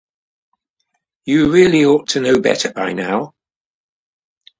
You really ought to know better by now.